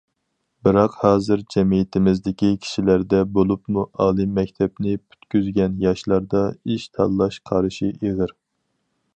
بىراق ھازىر جەمئىيىتىمىزدىكى كىشىلەردە بولۇپمۇ ئالىي مەكتەپنى پۈتكۈزگەن ياشلاردا ئىش تاللاش قارىشى ئېغىر.